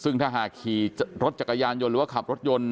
ซึ่งถ้าหากขี่รถจักรยานยนต์หรือว่าขับรถยนต์